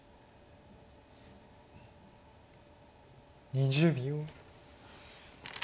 ２０秒。